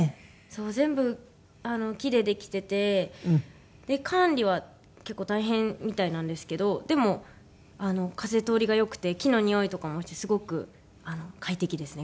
全部木でできてて管理は結構大変みたいなんですけどでも風通りが良くて木のにおいとかもしてすごく快適ですね